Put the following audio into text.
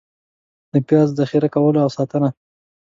د پیاز ذخېره کول او ساتنه: